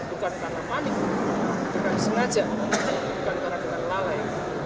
bukan karena panik bukan selajar bukan karena kemahalai